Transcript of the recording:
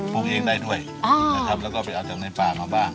ปลูกเองได้ด้วยนะครับแล้วก็ไปเอาจากในป่ามาบ้าง